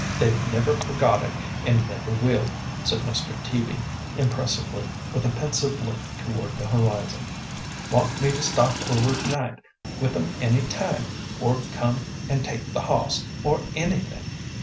They've never forgot it an' never will," said Mr. Teaby impressively, with a pensive look toward the horizon. "Want me to stop over night with 'em any time, or come an' take the hoss, or anything.